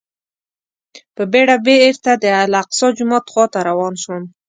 په بېړه بېرته د الاقصی جومات خواته روان شوم.